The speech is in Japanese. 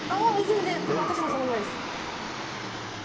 全然私もそのぐらいです